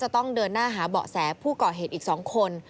ต้องเดินหน้าหาเบาะแสผู้ก่อเหตุอีก๒คน